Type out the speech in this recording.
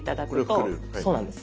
そうなんです。